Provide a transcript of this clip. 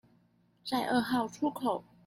在二號出口